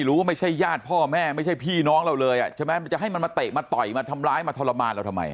ไม่ใช่ญาติพ่อแม่ไม่ใช่พี่น้องเราเลยใช่ไหมมันจะให้มันมาเตะมาต่อยมาทำร้ายมาทรมานเราทำไม